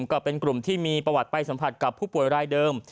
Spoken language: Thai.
ก็เป็นกลุ่มที่มีประวัติไปสัมผัสกับผู้ป่วยรายเดิม